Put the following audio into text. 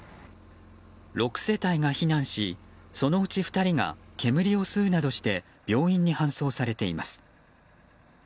６世帯が避難しそのうち２人が煙を吸うなどして病院に搬送されています。